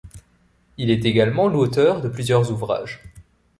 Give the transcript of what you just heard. Il est également l'auteur de plusieurs ouvrages.